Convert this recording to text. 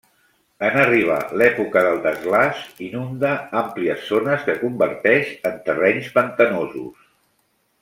En arribar l'època del desglaç, inunda àmplies zones que converteix en terrenys pantanosos.